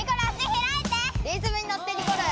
リズムにのってニコル！